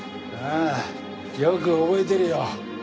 ああよく覚えてるよ。